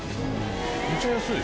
めっちゃ安い。